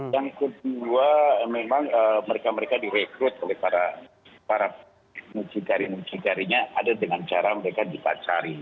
yang kedua memang mereka mereka direkrut oleh para muci jari muci jarinya ada dengan cara mereka dipacari